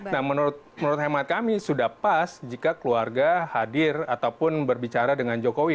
nah menurut hemat kami sudah pas jika keluarga hadir ataupun berbicara dengan jokowi